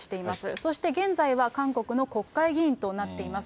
そして、現在は韓国の国会議員となっています。